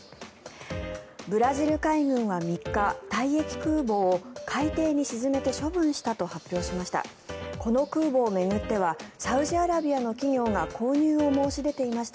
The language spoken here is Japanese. ブラジル海軍は３日退役空母を海底に沈めて処分したと発表しました。